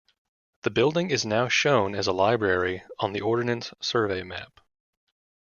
The building is now shown as a library on the Ordnance Survey map.